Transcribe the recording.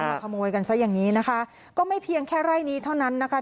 มาขโมยกันซะอย่างนี้นะคะก็ไม่เพียงแค่ไร่นี้เท่านั้นนะคะ